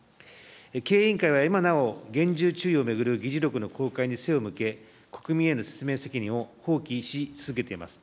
経営委員会は、今なお、厳重注意を巡る議事録の公開に背を向け、国民への説明責任を放棄し続けています。